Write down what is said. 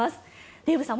デーブさん